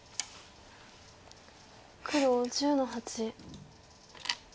黒１０の八。